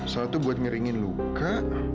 satu buat ngiringin luka